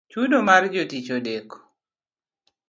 Chudo mar jotich odeko